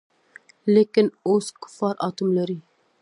لکېن اوس کفار آټوم لري.